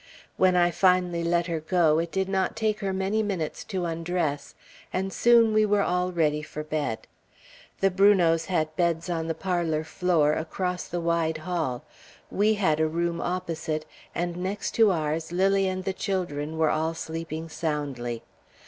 When I finally let her go, it did not take her many minutes to undress, and soon we were all ready for bed. The Brunots had beds on the parlor floor; across the wide hall, we had a room opposite; and next to ours, Lilly and the children were all sleeping soundly.